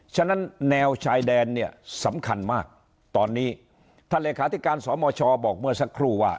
ฉะนั้นแนวชายแดนเนี่ยสำคัญมากตอนนี้ท่านเลขาธิการสมชบอกเมื่อสักครู่ว่า